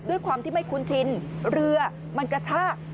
ด้วยความที่ไม่คุ้นชินเรือมันกระชาก